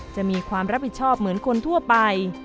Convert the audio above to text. จะมีความรับผิดชอบเหมือนคนทั่วไป